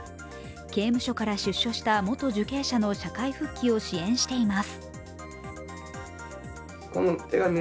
刑務所から出所した元受刑者の社会復帰を支援しています。